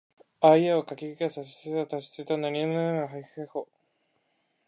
あいうえおかきくけこさしすせそたちつてとなにぬねのはひふへほ